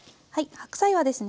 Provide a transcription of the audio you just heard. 白菜はですね